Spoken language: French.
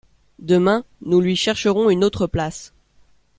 Demain, nous lui chercherons une autre place.